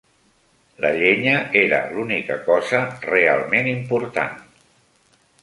La llenya era l'única cosa realment important.